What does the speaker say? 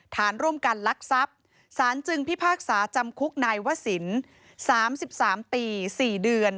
ฐานร่วมกันลักทรัพย์สารจึงพิพากษาจำคุกนายวศิลป์๓๓ปี๔เดือน